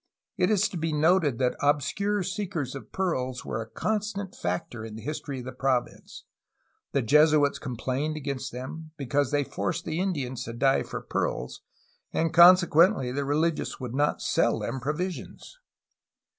It is to be noticed that obscure seekers of pearls were a constant factor in the history of the province. The Jesuits complained against them, because they forced the Indians to dive for pearls, and consequently the rehgious would not sell them provisions.